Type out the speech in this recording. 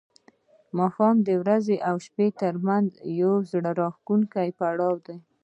ماښام د ورځې او شپې ترمنځ یو زړه راښکونکی پړاو دی.